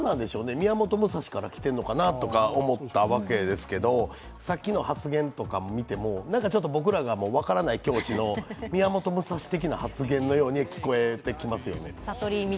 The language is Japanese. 宮本武蔵から来てるのかなと思ったりするわけですけどさっきの発言とかを見ても、僕らが分からない境地の宮本武蔵的な発言のように聞こえてきますよね。